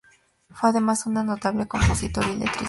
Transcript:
Fue además un notable compositor y letrista.